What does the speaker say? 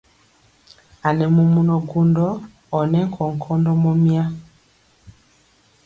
A nɛ mɔmɔnɔ gwondɔ ɔ nɛ nkɔnkɔndɔ mɔmya.